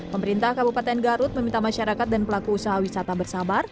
pemerintah kabupaten garut meminta masyarakat dan pelaku usaha wisata bersabar